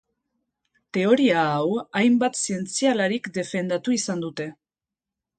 Teoria hau hainbat zientzialarik defendatu izan dute.